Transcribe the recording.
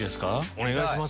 お願いします。